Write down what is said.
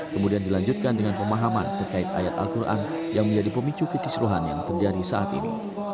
kemudian dilanjutkan dengan pemahaman terkait ayat al quran yang menjadi pemicu kekisruhan yang terjadi saat ini